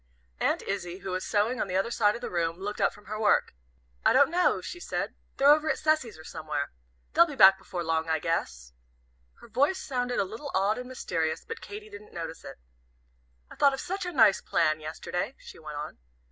Aunt Izzie, who was sewing on the other side of the room, looked up from her work. "I don't know," she said, "they're over at Cecy's, or somewhere. They'll be back before long, I guess." Her voice sounded a little odd and mysterious, but Katy didn't notice it. "I thought of such a nice plan yesterday," she went on.